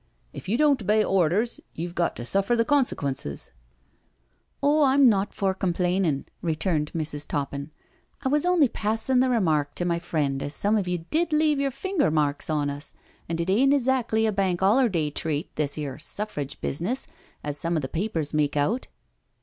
If you don't obey orders you've got to suffer the consequences," " Oh, I'm not for complainin*," returned Mrs. Top pin. I was only passin' the remark to my friend as some of you did leave your finger marks on us, and it ain't esackly a Bank 'OUerday treat, this 'ere Suff ridge business, as some o' the papers make out."